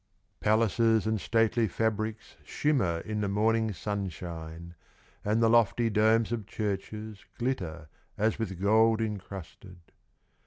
Palaces and stately fabrics Shimmer in the morning sunshine. And the lofty domes of churches Glitter as with gold incrusted.